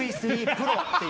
プロっていう。